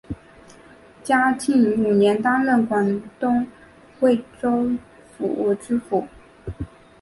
嘉靖五年担任广东惠州府知府。